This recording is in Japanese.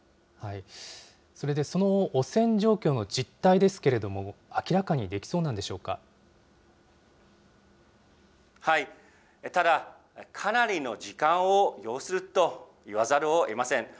それで、その汚染状況の実態ですけれども、ただ、かなりの時間を要するといわざるをえません。